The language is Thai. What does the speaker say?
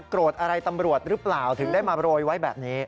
อะไรตำรวจหรือเปล่าถึงได้มาโรยไว้แบบนี้